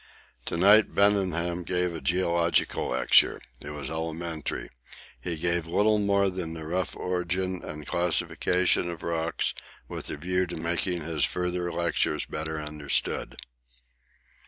To night Debenham gave a geological lecture. It was elementary. He gave little more than the rough origin and classification of rocks with a view to making his further lectures better understood.